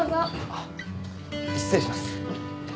あっ失礼します。